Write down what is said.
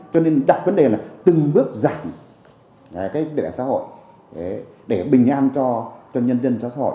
cho nên đặt vấn đề là từng bước giảm cái xã hội để bình an cho nhân dân xã hội